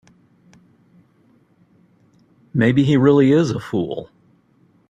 Maybe he really is a fool.